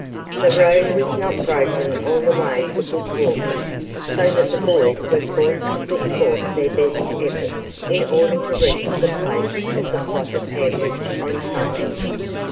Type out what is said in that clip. The road was not broken all the way for good walking, so that the boys were forced to put forth their best efforts in order to reach the place of the plotted ambush on time.